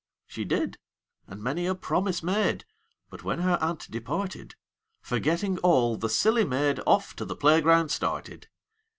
She did, and many a promise made; But when her aunt departed, Forgetting all, the silly maid Off to the playground started.